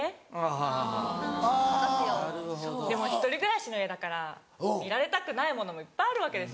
でも１人暮らしの家だから見られたくないものもいっぱいあるわけですよ。